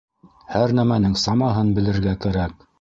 Һәр нәмәнең самаһын белергә кәрәк.